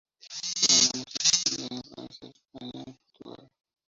Su renombre se extiende en Francia, España y Portugal.